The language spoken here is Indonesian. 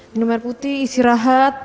minum air putih isi rahat